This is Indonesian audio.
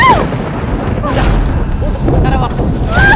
ibu bunda untuk sebentar waktunya